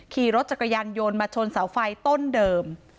ขี่รถจักรยานยนต์มาชนเสาไฟต้นเดิม